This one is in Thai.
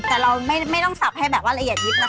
แต่เราไม่ต้องสับให้แบบว่าละเอียดยิบนะคะ